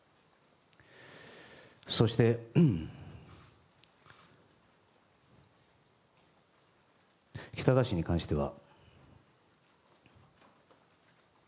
そして、喜多川氏に関しては。